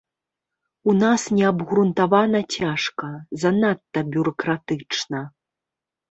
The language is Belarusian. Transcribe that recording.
У нас неабгрунтавана цяжка, занадта бюракратычна.